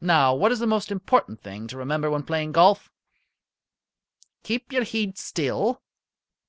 Now, what is the most important thing to remember when playing golf?" "Keep your heid still."